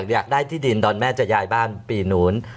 อยากได้ที่ดินตอนแม่จะย้ายบ้านปีนู้น